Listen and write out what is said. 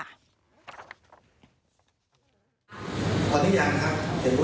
เหมือนกันมีทหารคนต้องถูกตั๋ว